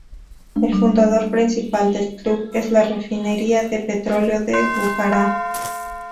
El fundador principal del club es la refinería de petróleo de Bujará.